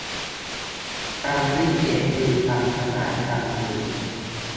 คำวิเศษณ์ คือคำขยายคำอื่น